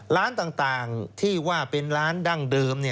ร้านต่างที่ว่าเป็นร้านดั้งเดิม